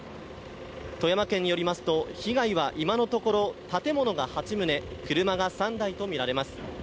富山県によりますと、被害は今のところ建物が８棟、車が３台と見られます。